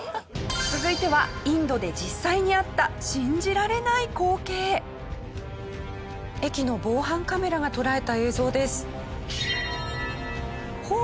続いてはインドで実際にあった駅の防犯カメラが捉えた映像です。